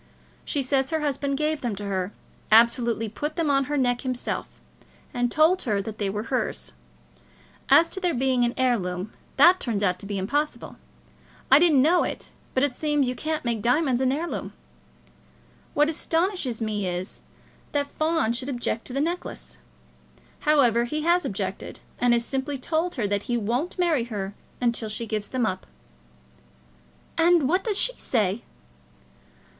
She says her husband gave them to her, absolutely put them on her neck himself, and told her that they were hers. As to their being an heirloom, that turns out to be impossible. I didn't know it, but it seems you can't make diamonds an heirloom. What astonishes me is, that Fawn should object to the necklace. However, he has objected, and has simply told her that he won't marry her unless she gives them up." "And what does she say?"